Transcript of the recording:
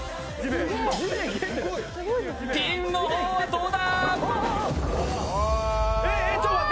ピンの方はどうだ？